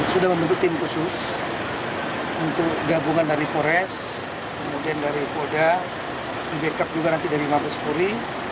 kita sudah membentuk tim khusus untuk gabungan dari polres kemudian dari koda di backup juga nanti dari mabes puri